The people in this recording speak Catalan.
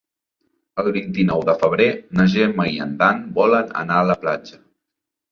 El vint-i-nou de febrer na Gemma i en Dan volen anar a la platja.